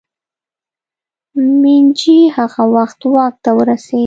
مېجي هغه وخت واک ته ورسېد.